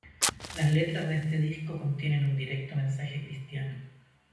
Las letras de este disco contienen un directo mensaje cristiano.